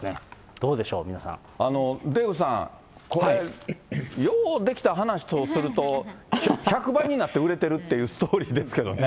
どうでしデーブさん、これ、ようできた話とすると、１００倍になって売れてるというストーリーですけどね。